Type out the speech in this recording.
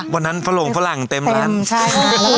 วันนั้นฝรงฝรั่งเต็มร้านใช่